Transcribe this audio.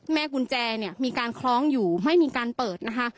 แม่กุญแจเนี่ยมีการคล้องอยู่ไม่มีการเปิดนะคะ